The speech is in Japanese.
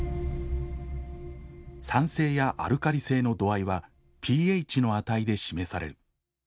酸性やアルカリ性の度合いはｐＨの値で示される。